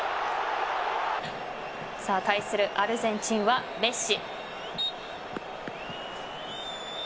対するアルゼンチンはメッシ。